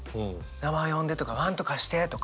「名前呼んで」とか「何とかして」とか。